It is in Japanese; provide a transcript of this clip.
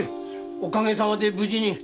おかげさまで無事に。